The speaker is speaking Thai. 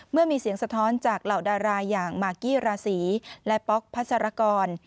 เมื่อมีเสียงสะท้อนจากเหล่าดาราอย่างมากกี้ราศีและป๊อกพัศรกร